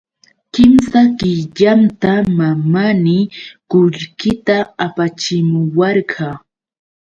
Kimsa killanta mamaanii qullqita apachimuwarqa.